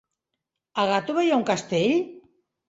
A Gàtova hi ha un castell?